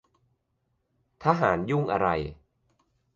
ทหารยุ่งอะไร